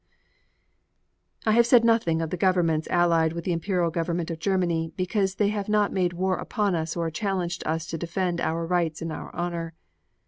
I have said nothing of the governments allied with the Imperial Government of Germany because they have not made war upon us or challenged us to defend our right and our honor.